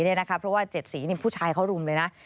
เพราะว่า๗สีผู้ชายเขารุมเลยนะ